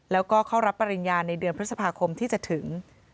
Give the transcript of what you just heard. แล้วก็เข้ารับปริญญาในเดือนพฤษภาคมที่จะถึง